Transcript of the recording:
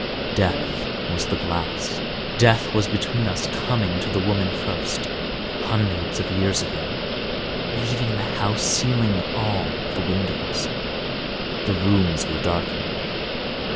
Death was the glass; death was between us; coming to the woman first, hundreds of years ago, leaving the house, sealing all the windows; the rooms were darkened.